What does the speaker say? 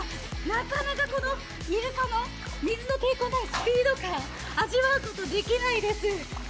なかなか、いるかの水の抵抗ない、スピード感、味わうことできないです。